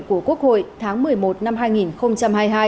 của quốc hội tháng một mươi một năm hai nghìn hai mươi hai